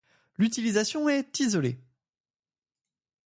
L'utilisation est isolé.